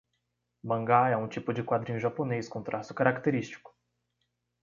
Mangá é um tipo de quadrinho japonês com traço característico